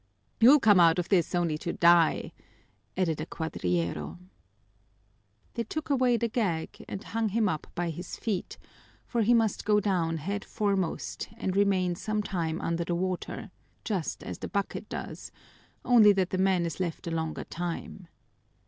"You'll come out of this only to die," added a cuadrillero. They took away the gag and hung him up by his feet, for he must go down head foremost and remain some time under the water, just as the bucket does, only that the man is left a longer time.